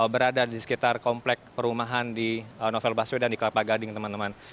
berada di sekitar komplek perumahan di novel baswedan di kelapa gading teman teman